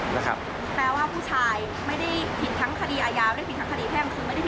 แปลว่าผู้ชายไม่ได้ผิดทั้งคดีอาญาไม่ได้ผิดทั้งคดีแพ่งคือไม่ได้